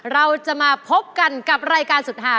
เราจะมาพบกันกับรายการสุดหา